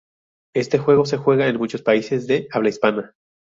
Este juego se juega en muchos países de habla hispana.